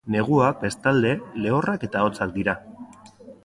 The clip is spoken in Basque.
Neguak, bestalde, lehorrak eta hotzak dira.